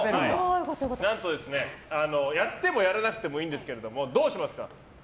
何と、やってもやらなくてもいいんですけどどうしますか？